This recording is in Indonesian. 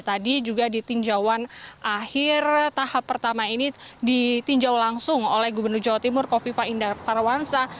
tadi juga di tinjauan akhir tahap pertama ini ditinjau langsung oleh gubernur jawa timur kofifa indar parawansa